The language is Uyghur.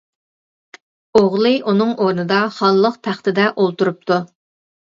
ئوغلى ئۇنىڭ ئورنىدا خانلىق تەختىدە ئولتۇرۇپتۇ.